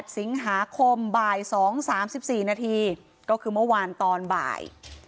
สิงหาคมบ่าย๒๓๔นาทีก็คือเมื่อวานตอนบ่าย